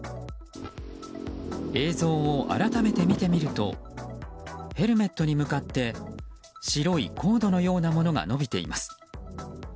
映像を改めて見てみるとヘルメットに向かって白いコードのようなものが伸びています。